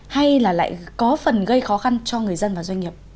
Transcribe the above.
hay là lại có phần gây khó khăn cho người dân và doanh nghiệp